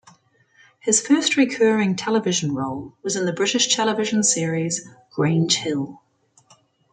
His first recurring television role was in the British television series "Grange Hill".